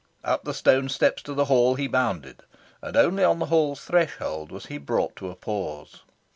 Up the stone steps to the Hall he bounded, and only on the Hall's threshold was he brought to a pause.